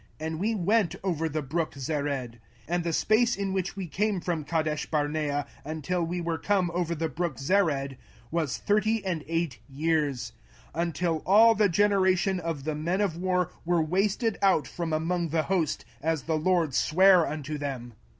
And we went over the brook Zered. 05:002:014 And the space in which we came from Kadeshbarnea, until we were come over the brook Zered, was thirty and eight years; until all the generation of the men of war were wasted out from among the host, as the LORD sware unto them.